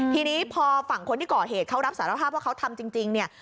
ทีนี้พอฝั่งคนที่ก่อเหตุเขารับสารภาพว่าเขาทำจริงเนี่ย